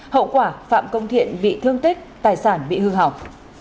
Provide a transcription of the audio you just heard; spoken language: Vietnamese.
hậu quả phạm công thiện bị thương tích tài sản bị hư hỏng